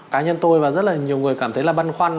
cá nhân tôi và rất là nhiều người cảm thấy là băn khoăn